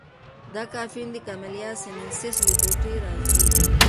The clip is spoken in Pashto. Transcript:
دا کافین د کمیلیا سینینسیس له بوټي راځي.